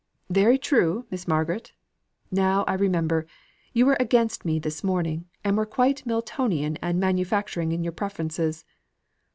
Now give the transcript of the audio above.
"Very true, Miss Margaret. Now I remember, you were against me this morning, and were quite Miltonian and manufacturing in your preferences."